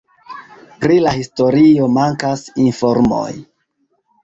Pri la historio mankas informoj.